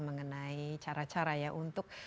mengenai cara cara ya untuk